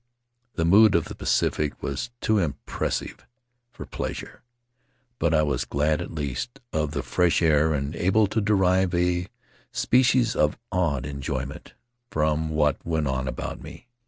The mood of the Pacific was too im pressive for pleasure, but I was glad at least of the fresh air and able to derive a species of awed enjoyment Faery Lands of the South Seas from what went on about me.